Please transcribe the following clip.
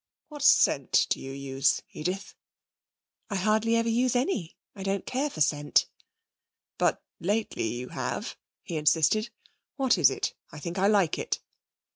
'What scent do you use, Edith?' 'I hardly ever use any. I don't care for scent.' 'But lately you have,' he insisted. 'What is it? I think I like it.'